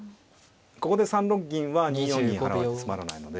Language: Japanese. ここで３六銀は２四銀払われてつまらないので。